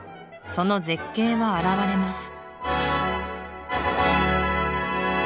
その絶景は現れます